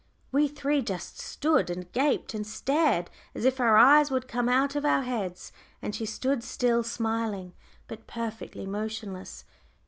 We three just stood and gaped, and stared as if our eyes would come out of our heads. And she stood, still smiling, but perfectly motionless.